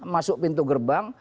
masuk pintu gerbang